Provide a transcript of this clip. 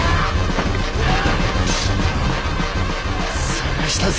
捜したぜ！